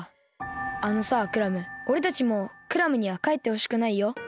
あのさクラムおれたちもクラムにはかえってほしくないよ。